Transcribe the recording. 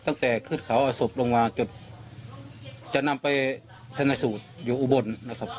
ตั้งแต่ขึ้นเขาเอาศพลงมาจนจะนำไปชนะสูตรอยู่อุบลนะครับ